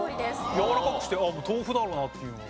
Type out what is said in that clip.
やわらかくして豆腐だろうなっていうのが。